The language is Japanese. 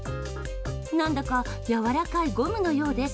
何だか柔らかいゴムのようです。